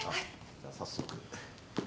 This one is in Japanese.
じゃあ早速。